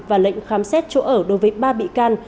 và lệnh khám xét chỗ ở đối với ba bị can